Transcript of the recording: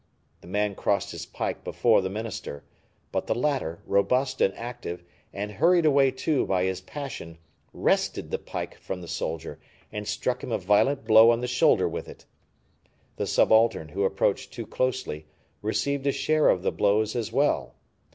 The man crossed his pike before the minister; but the latter, robust and active, and hurried away, too, by his passion, wrested the pike from the soldier and struck him a violent blow on the shoulder with it. The subaltern, who approached too closely, received a share of the blows as well.